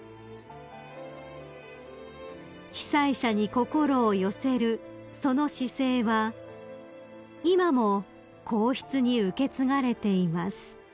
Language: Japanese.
［被災者に心を寄せるその姿勢は今も皇室に受け継がれています］